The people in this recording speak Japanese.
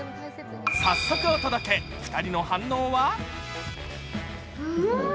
早速お届け、２人の反応は？